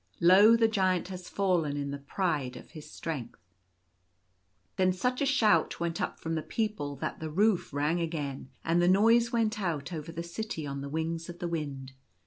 Lo, the Giant has fallen in the pride of his strength !" Then such a shout went up from the people that the roof rang again; and the noise went out over the City on the wings of the wind.